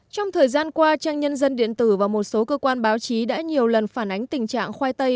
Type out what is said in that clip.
trong thời gian qua trang nhân dân điện tử và một số cơ quan báo chí đã nhiều lần phản ánh tình trạng khoai tây